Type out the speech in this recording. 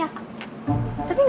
eh sakit ya